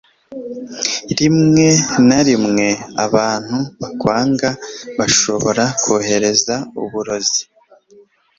rimwe na rimwe, abantu bakwanga bashobora kohereza uburozi